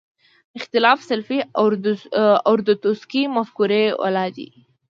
اختلاف سلفي اورتودوکسي مفکورې والا دي.